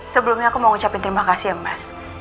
sebelumnya aku mau ngucapin terima kasih ya mas